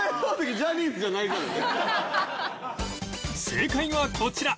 正解はこちら